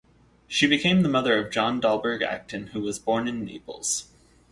She became the mother of John Dalberg-Acton who was born in Naples.